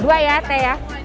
dua ya teh ya